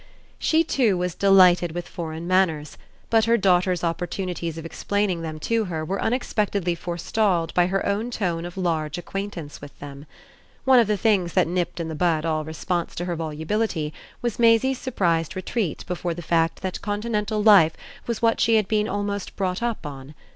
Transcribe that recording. She too was delighted with foreign manners; but her daughter's opportunities of explaining them to her were unexpectedly forestalled by her own tone of large acquaintance with them. One of the things that nipped in the bud all response to her volubility was Maisie's surprised retreat before the fact that Continental life was what she had been almost brought up on.